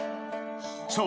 ［そう。